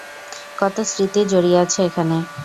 কত স্মৃতি জড়িয়ে আছে এখানে।